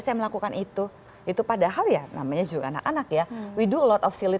saya melakukan itu itu padahal ya namanya juga anak anak ya we do lot of silly